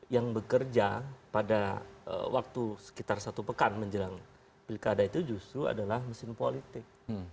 yang bekerja pada waktu sekitar satu pekan menjelang pilkada itu justru adalah mesin politik